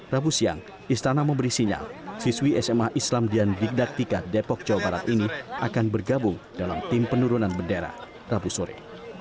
rabu siang istana memberi sinyal siswi sma islam dian bigdaktika depok jawa barat ini akan bergabung dalam tim penurunan bendera rabu sore